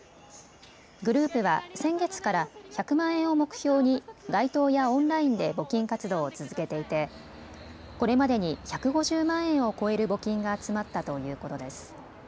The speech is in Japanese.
グループは先月から１００万円を目標に街頭やオンラインで募金活動を続けていてこれまでに１５０万円を超える募金が集まったということです。